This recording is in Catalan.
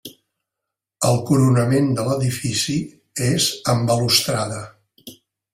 El coronament de l'edifici és amb balustrada.